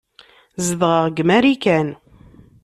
Zedɣeɣ deg Marikan.